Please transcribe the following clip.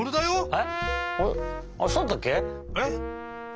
えっ？